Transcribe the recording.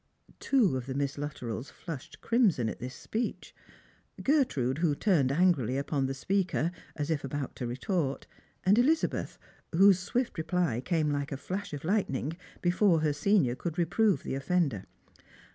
Two of the Miss Luttrells flushed crimson at this speech : Gertrude, who turned angrily upon the speaker, as if about to retort; and Elizabeth, whose swift reply came like a flash of lightning, before her senior could reprove the oflender.